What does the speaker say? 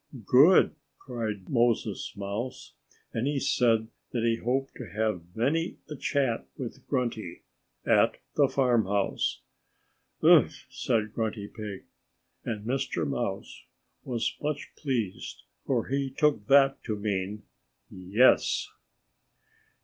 "Good!" cried Moses Mouse. And he said that he hoped to have many a chat with Grunty, at the farmhouse. "Umph!" said Grunty Pig. And Mr. Mouse was much pleased, for he took that to mean "Yes!"